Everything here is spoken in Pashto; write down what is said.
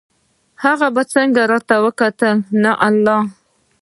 هغه په څنګ را وکتل: نه والله.